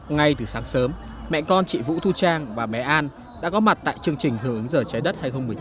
ngay từ sáng sớm mẹ con chị vũ thu trang và bé an đã có mặt tại chương trình hưởng ứng giờ trái đất hai nghìn một mươi chín